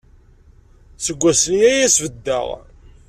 Seg wass-nni ay as-beddeɣ.